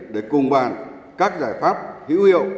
để cùng bàn các giải pháp hữu hiệu